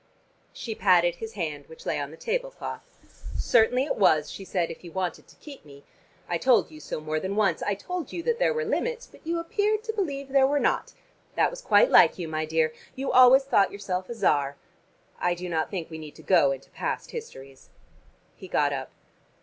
She patted his hand which lay on the table cloth. "Certainly it was," she said, "if you wanted to keep me. I told you so more than once. I told you that there were limits, but you appeared to believe there were not. That was quite like you, my dear. You always thought yourself a Czar. I do not think we need to go into past histories." He got up.